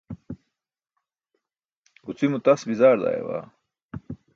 Gucimo tas bizaar daayabaa!